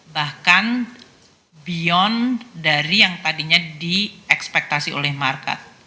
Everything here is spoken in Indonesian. bahkan beyond dari yang tadinya diekspektasi oleh market